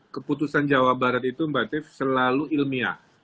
keputusan jawa barat itu mbak tiff selalu ilmiah